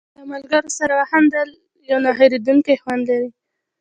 د ملګرو سره وخندل یو نه هېرېدونکی خوند لري.